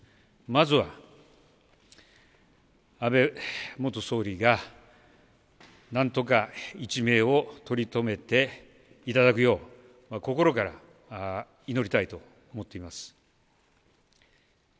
まずは安倍元総理がなんとか一命を取り留めていただくよう、心から祈りたいと思っています。